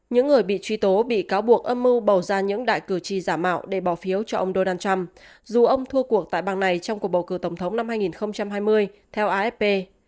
những người bị truy tố bị cáo buộc âm mưu bầu ra những đại cử tri giả mạo để bỏ phiếu cho ông donald trump dù ông thua cuộc tại bang này trong cuộc bầu cử tổng thống năm hai nghìn hai mươi theo afp